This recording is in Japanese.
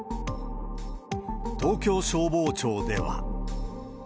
東京消防庁では。